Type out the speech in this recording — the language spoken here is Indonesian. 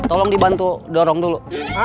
tolong dibantu dorong dulu